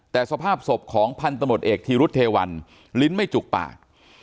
แต่สภาพศพของพันธมตเอกธีรุธเทวันลิ้นไม่จุกปาก